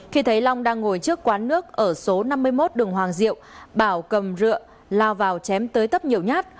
khi thấy long đang ngồi trước quán nước ở số năm mươi một đường hoàng diệu bảo cầm rượu lao vào chém tới tấp nhiều nhát